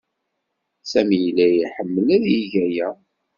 Sami yella iḥemmel ad yeg aya.